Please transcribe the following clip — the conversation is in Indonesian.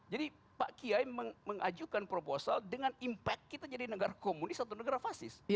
jadi pak kiai mengajukan proposal dengan impact kita jadi negara komunis atau negara fasis